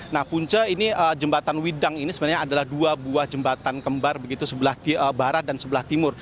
nah punca ini jembatan widang ini sebenarnya adalah dua buah jembatan kembar begitu sebelah barat dan sebelah timur